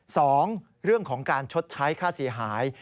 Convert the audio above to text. สองเรื่องของการชดใช้ค่าเสียหาย